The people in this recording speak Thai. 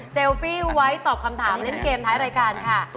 ฟี่ไว้ตอบคำถามเล่นเกมท้ายรายการค่ะ